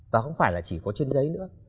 và không phải là chỉ có chân giấy nữa